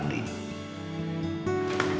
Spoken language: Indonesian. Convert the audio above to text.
bisa minta waktunya sebentar